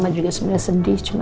juga sedih cuman